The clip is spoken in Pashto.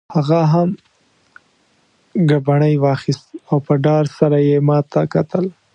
هغه هم ګبڼۍ واخیست او په ډار سره یې ما ته کتل.